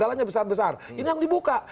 ini yang dibuka